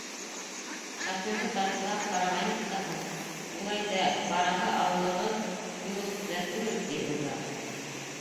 — Шофёрҙы тартҡылап ҡарағайныҡ та һуң, ул әйтә, бараһы ауылығыҙ юл өҫтөндә түгел, ти, унда